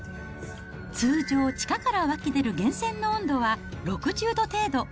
通常、地下から湧き出る源泉の温度は６０度程度。